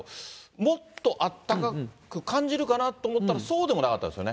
もっとあったかく感じるかなと思ったら、そうでもなかったですね。